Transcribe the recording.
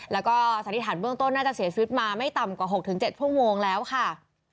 แล้วก็สถิษฐานเบื้องต้นน่าจะเสียชุดมาไม่ต่ำกว่าหกถึงเจ็ดชั่วโมงแล้วค่ะ